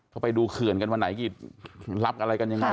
เขาไปดูเขื่อนกันวันไหนกี่รับอะไรกันยังไง